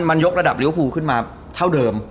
มันยกระดับลิเวฟูขึ้นมาเท่าเดิม